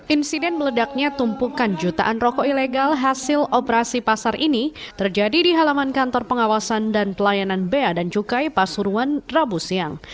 insiden meledaknya tumpukan jutaan rokok ilegal hasil operasi pasar ini terjadi di halaman kantor pengawasan dan pelayanan bea dan cukai pasuruan rabu siang